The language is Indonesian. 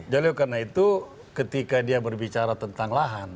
jalil karena itu ketika dia berbicara tentang lahan